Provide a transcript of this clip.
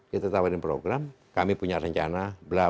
kita tawarin program kami punya rencana